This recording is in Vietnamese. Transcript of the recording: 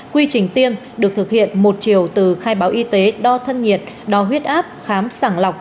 quy trình tiêm được thực hiện một chiều từ khai báo y tế đo thân nhiệt đo huyết áp khám sàng lọc